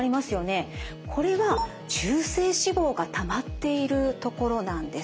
これは中性脂肪がたまっているところなんです。